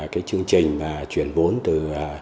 cái chương trình mà chuyển vốn từ